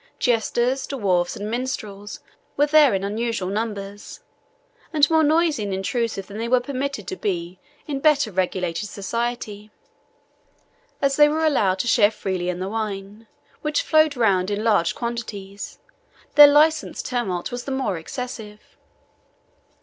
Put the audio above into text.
Jesters, dwarfs, and minstrels were there in unusual numbers, and more noisy and intrusive than they were permitted to be in better regulated society. As they were allowed to share freely in the wine, which flowed round in large quantities, their licensed tumult was the more excessive.